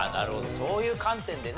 そういう観点でね